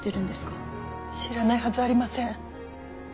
知らないはずありません。